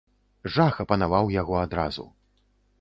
Жах апанаваў яго адразу.